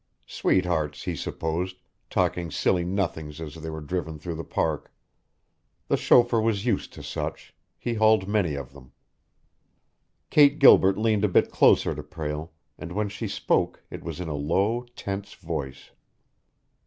Sweethearts, he supposed, talking silly nothings as they were driven through the Park. The chauffeur was used to such; he hauled many of them. Kate Gilbert leaned a bit closer to Prale, and when she spoke it was in a low, tense voice.